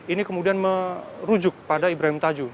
ini kemudian merujuk pada ibrahim tajuh